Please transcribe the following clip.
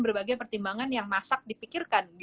berbagai pertimbangan yang masak dipikirkan